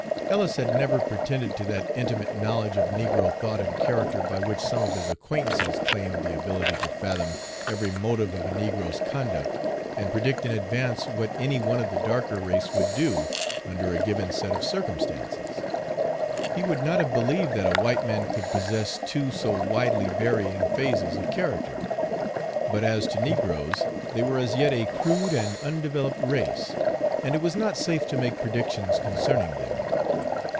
Ellis had never pretended to that intimate knowledge of negro thought and character by which some of his acquaintances claimed the ability to fathom every motive of a negro's conduct, and predict in advance what any one of the darker race would do under a given set of circumstances. He would not have believed that a white man could possess two so widely varying phases of character; but as to negroes, they were as yet a crude and undeveloped race, and it was not safe to make predictions concerning them.